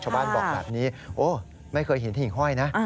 บอกแบบนี้โอ้ไม่เคยเห็นหิ่งห้อยนะ